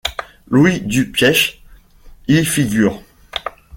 Louis Dupiech y figure.